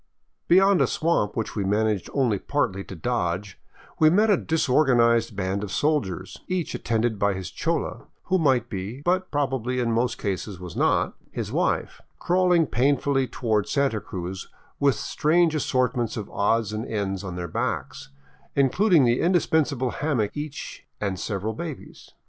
Beyond a swamp which we managed only partly to dodge we met a disorganized band of soldiers, each attended by his chola, who might be, but probably in most cases was not, his wife, crawling painfully toward Santa Cruz with strange assortments of odds and ends on their backs, including the indispensable hammock each and several babies.